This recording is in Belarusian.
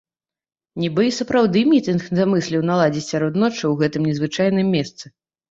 Нібы і сапраўды мітынг замысліў наладзіць сярод ночы ў гэтым незвычайным месцы.